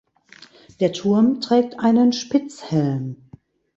Der Turm trägt einen Spitzhelm.